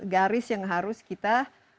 garis yang harus kita